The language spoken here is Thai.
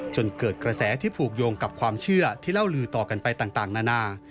จนเกิดกระแสที่ผูกโยงกับความเชื่อที่เล่าลือต่อกันไปต่างนานา